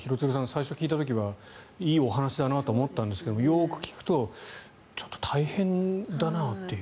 最初に聞いた時はいいお話だなと思ったんですがよく聞くとちょっと大変だなという。